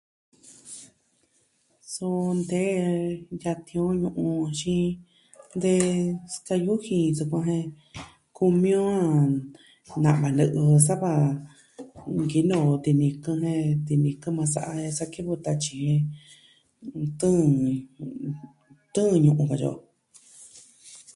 Suu ntee yatin on ñu'un axin de sikayu jiin sukuan jen kumi o a nava nɨ'ɨ sa va nkinoo tinikɨn jen tinikɨn yukuan sa'a jen sa kivɨ tatyi jen ntɨɨn, tɨɨn ñu'un yukuan katyi o.